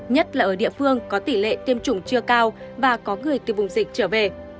nhất là ở địa phương có tỷ lệ tiêm chủng chưa cao và có người từ vùng dịch trở về